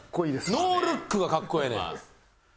ノールックがかっこええねん。